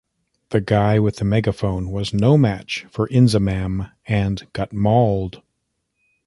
The guy with the megaphone was no match for Inzamam and got mauled.